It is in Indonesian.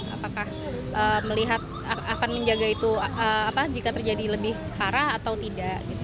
apakah melihat akan menjaga itu jika terjadi lebih parah atau tidak